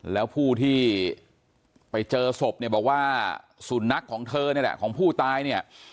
แล้วผู้ที่ไปเจอศพเนี่ยบอกว่าสุนัขของเธอนี่แหละของผู้ตายเนี่ย